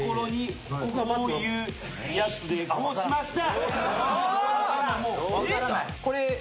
こうしました！